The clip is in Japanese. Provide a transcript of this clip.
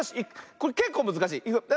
これけっこうむずかしい。